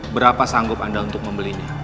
berapa sanggup anda untuk membelinya